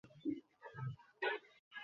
ঠিক আছে, শুভরাত্রি।